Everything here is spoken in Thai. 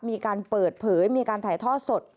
มีการเปิดเผยมีการถ่ายทอดสด